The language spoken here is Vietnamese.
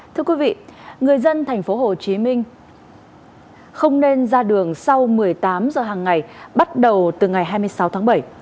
thưa quý vị người dân thành phố hồ chí minh không nên ra đường sau một mươi tám h hàng ngày bắt đầu từ ngày hai mươi sáu tháng bảy